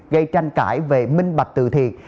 gây tranh cãi về minh bạch từ thiệt